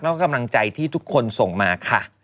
แล้วก็กำลังใจที่ทุกคนส่งมาค่ะ